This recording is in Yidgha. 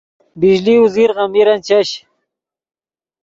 بجلی اوزیر غمیرن چش